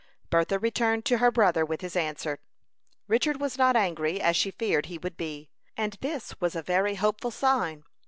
Bertha returned to her brother with his answer. Richard was not angry, as she feared he would be, and this was a very hopeful sign.